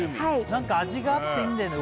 何か味があっていいんだよね